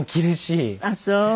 あっそう！